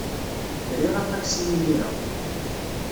Riɣ aṭaksi imir-a.